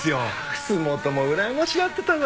楠本もうらやましがってたな。